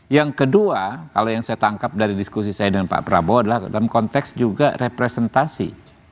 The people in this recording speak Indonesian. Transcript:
yang kedua kalau yang saya tangkap dari diskusi saya dengan pak prabowo adalah dalam konteks juga representasi